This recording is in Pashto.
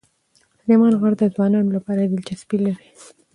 سلیمان غر د ځوانانو لپاره دلچسپي لري.